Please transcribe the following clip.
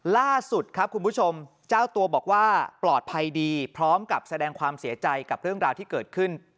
ล่าสุดครับคุณผู้ชมเจ้าตัวบอกว่าปลอดภัยดีพร้อมกับแสดงความเสียใจกับเรื่องราวที่เกิดขึ้น